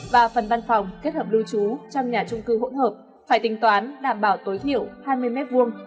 và phần văn phòng kết hợp lưu trú trong nhà trung cư hỗn hợp phải tính toán đảm bảo tối thiểu hai mươi m hai